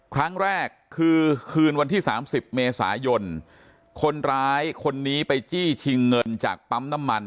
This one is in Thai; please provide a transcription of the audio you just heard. ครั้งแรกคือคืนวันที่สามสิบเมษายนคนร้ายคนนี้ไปจี้ชิงเงินจากปั๊มน้ำมัน